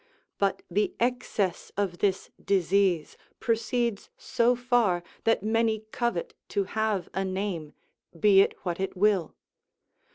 But the excess of this disease proceeds so far that many covet to have a name, be it what it will.